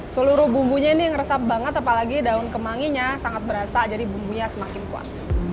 seluruh bumbunya ini yang resep banget apalagi daun kemanginya sangat berasa jadi bumbunya semakin kuat